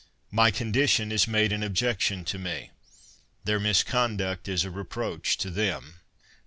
My condition is made an objection to me ; their mis conduct is a reproach to them.